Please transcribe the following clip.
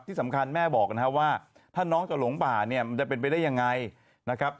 ที่สำคัญแม่บอกนะครับว่าถ้าน้องจะหลงป่าเนี่ยมันจะเป็นไปได้ยังไงนะครับ